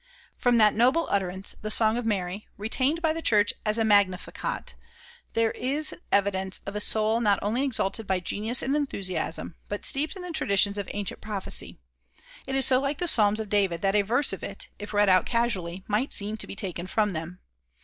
From that noble utterance, the Song of Mary, retained by the church as a Magnificat, there is evidence of a soul not only exalted by genius and enthusiasm, but steeped in the traditions of ancient prophecy. It is so like the Psalms of David that a verse of it, if read out casually, might seem to be taken from them.